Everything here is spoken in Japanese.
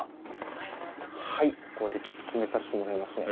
はいここでちょっと留めさせてもらいますね。